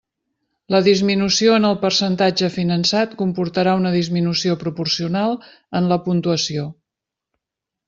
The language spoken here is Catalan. La disminució en el percentatge finançat comportarà una disminució proporcional en la puntuació.